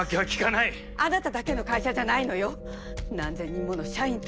（美津山あなただけの会社じゃないのよ！